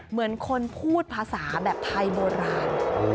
เหมือนคนพูดภาษาแบบไทยโบราณ